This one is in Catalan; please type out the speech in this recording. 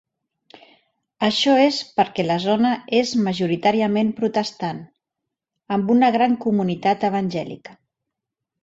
Això és perquè la zona és majoritàriament protestant, amb una gran comunitat evangèlica.